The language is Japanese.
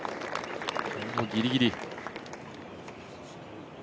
ギリギリ。